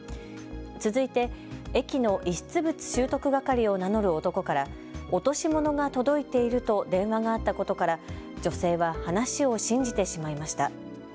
続いて駅の遺失物拾得係を名乗る男から落とし物が届いていると電話があったことから女性は話を信じてしまいました。